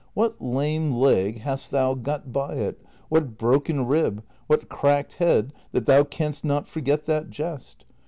What lame leg hast thou got by it, what broken rib, what cracked head, that thou canst not forget that jest